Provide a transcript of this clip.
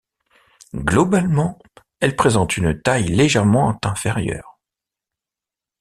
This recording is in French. Globalement, elle présente une taille légèrement inférieure.